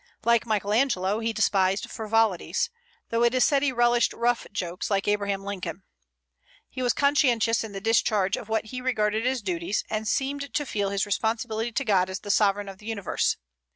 Like Michael Angelo, he despised frivolities, though it is said he relished rough jokes, like Abraham Lincoln. He was conscientious in the discharge of what he regarded as duties, and seemed to feel his responsibility to God as the sovereign of the universe.